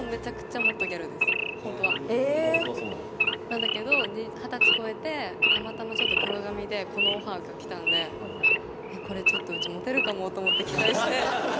なんだけど二十歳超えてたまたまちょっと黒髪でこのオファーが来たんでこれちょっとうちモテるかもと思って期待して今日は来ました。